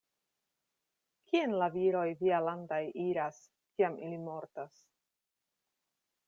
Kien la viroj vialandaj iras, kiam ili mortas?